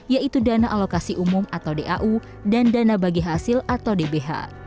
yaitu dana alokasi umum atau dau dan dana bagi hasil atau dbh